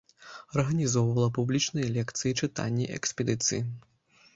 Арганізоўвала публічная лекцыі, чытанні, экспедыцыі.